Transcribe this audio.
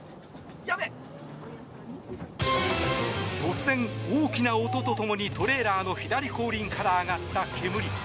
突然、大きな音とともにトレーラーの左後輪から上がった煙。